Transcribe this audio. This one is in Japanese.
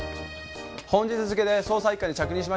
本日付で捜査一課に着任しました。